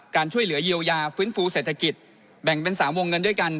ช่วยเหลือเยียวยาฟื้นฟูเศรษฐกิจแบ่งเป็น๓วงเงินด้วยกัน